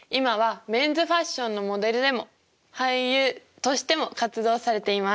としても活動されています。